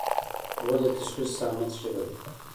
غول د تشخیص صامت ژبه ده.